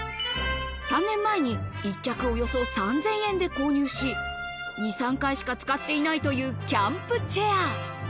３年前に一脚およそ３０００円で購入し、２３回しか使っていないというキャンプチェア。